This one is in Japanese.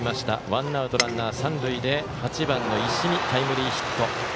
ワンアウト、ランナー、三塁で８番の石見タイムリーヒット。